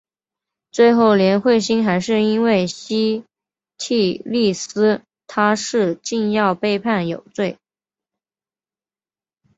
最后连惠心还是因为西替利司他是禁药被判有罪。